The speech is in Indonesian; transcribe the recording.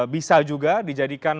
bisa juga dijadikan